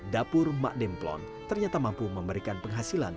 dapur mak demplon ternyata mampu memberikan penghasilan